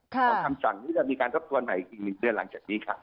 ที่จะมีการทบทวนอีก๑เดือนหลังจากนี้ค่ะ